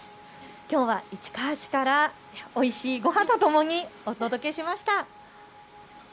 きょうは市川市からおいしいごはんとともにお届けしました。